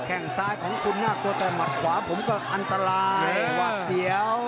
แค่งซ้ายของคุณน่ากลัวแต่หมัดขวาผมก็อันตรายวาดเสียว